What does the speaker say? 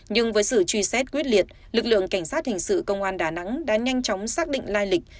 nhưng với sự truy xét quyết liệt lực lượng cảnh sát hình sự công an đà nẵng đã nhanh chóng xác định lai lịch